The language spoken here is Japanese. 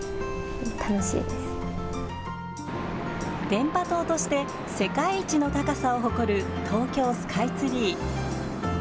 電波塔として世界一の高さを誇る東京スカイツリー。